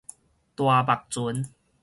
大目船